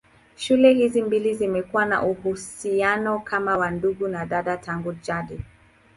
Shule hizi mbili zimekuwa na uhusiano kama wa ndugu na dada tangu jadi.